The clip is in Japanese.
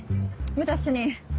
武蔵主任。